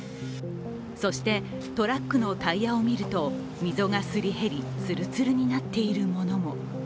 そして、トラックのタイヤを見ると溝がすり減り、ツルツルになっているものも。